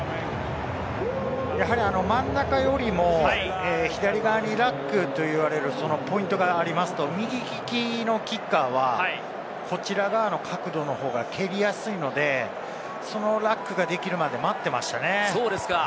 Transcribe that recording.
やはり真ん中よりも左側にラックと呼ばれるポイントがありますと、右利きのキッカーはこちら側の角度の方が蹴りやすいので、そのラックができるまで待っていましたね。